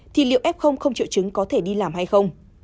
thì liệu f không triệu chứng có thể đi làm hay không